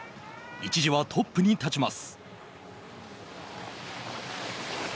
一時はトップに立ちます。